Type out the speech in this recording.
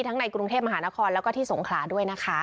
ในกรุงเทพมหานครแล้วก็ที่สงขลาด้วยนะคะ